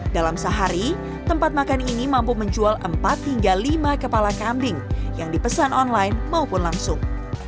dalam sehari tempat makan ini mampu menjual empat hingga lima kepala kambing yang dipesan online maupun langsung